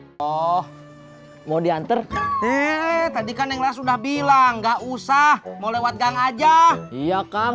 hai oh mau diantar eh tadi kan yang sudah bilang enggak usah mau lewat gang aja iya kang